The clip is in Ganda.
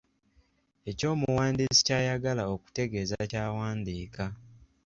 Ekyo omuwandiisi ky’ayagala okutegeeza ky’awandiika.